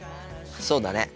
そうだね。